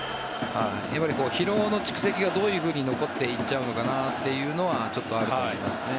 やっぱり疲労の蓄積がどういうふうに残っていっちゃうのかなというのはちょっとあると思いますね。